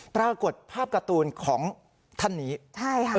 ปรากฏภาพการ์ตูนของท่านนี้